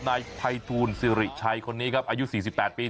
นายภัยทูลสิริชัยคนนี้ครับอายุ๔๘ปี